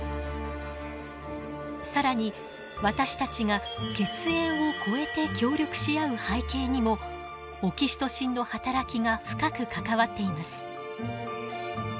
更に私たちが血縁を超えて協力し合う背景にもオキシトシンの働きが深く関わっています。